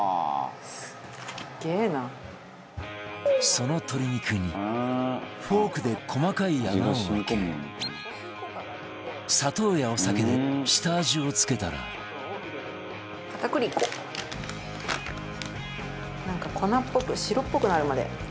その鶏肉にフォークで細かい穴を開け砂糖やお酒で下味を付けたらなんか粉っぽく白っぽくなるまで。